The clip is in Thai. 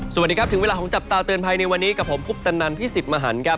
สวัสดีครับถึงเวลาของจับตาเตือนภัยในวันนี้กับผมคุปตันนันพี่สิทธิ์มหันครับ